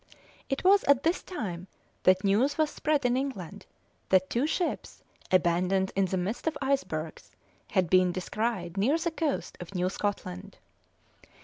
It was at this time that news was spread in England that two ships, abandoned in the midst of icebergs, had been descried near the coast of New Scotland.